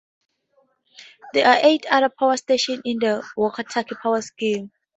There are eight other power stations in the Waitaki Power Scheme.